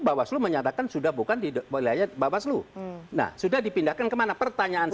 bahwa seluruh menyatakan sudah bukan tidak bolehnya bahwa seluruh nah sudah dipindahkan kemana pertanyaan